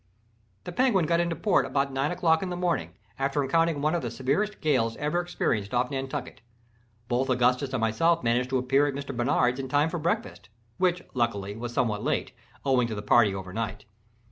The Penguin got into port about nine o'clock in the morning, after encountering one of the severest gales ever experienced off Nantucket. Both Augustus and myself managed to appear at Mr. Barnard's in time for breakfast—which, luckily, was somewhat late, owing to the party over night.